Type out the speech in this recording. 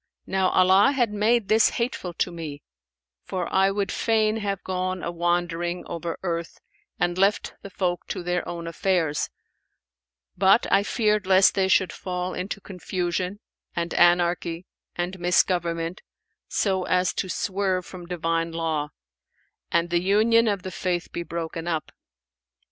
Now Allah had made this hateful to me, for I would fain have gone awandering over earth and left the folk to their own affairs; but I feared lest they should fall into confusion and anarchy and misgovernment so as to swerve from divine law, and the union of the Faith be broken up.